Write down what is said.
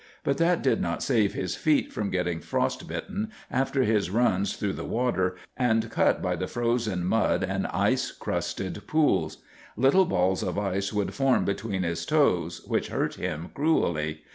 But that did not save his feet from getting frost bitten after his runs through the water, and cut by the frozen mud and ice crusted pools. Little balls of ice would form between his toes, which hurt him cruelly.